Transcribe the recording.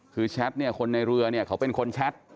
คือแชทเนี่ยคนในเรือเนี่ยเขาเป็นคนแชท